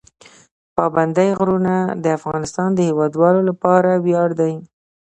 پابندی غرونه د افغانستان د هیوادوالو لپاره ویاړ دی.